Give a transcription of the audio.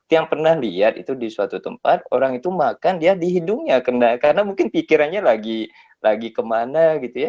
yang pernah lihat itu di suatu tempat orang itu makan dia di hidungnya karena mungkin pikirannya lagi kemana gitu ya